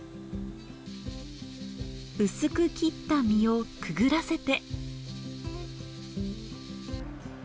薄く切った身をくぐらせて。